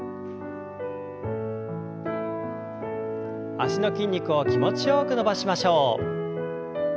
脚の筋肉を気持ちよく伸ばしましょう。